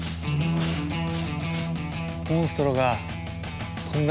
モンストロが飛んだ。